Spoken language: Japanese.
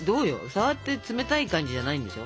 触って冷たい感じじゃないんでしょ？